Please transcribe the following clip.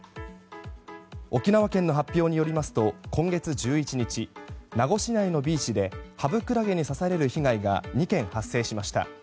沖縄県の発表によりますと今月１１日名護市内のビーチでハブクラゲに刺される被害が２件発生しました。